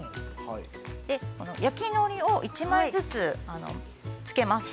で、焼きのりを１枚ずつつけます。